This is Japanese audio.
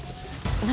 何？